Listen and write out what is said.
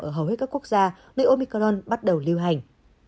ở hầu hết các quốc gia nơi omicron bắt đầu lưu hành